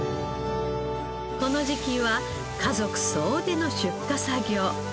この時期は家族総出の出荷作業。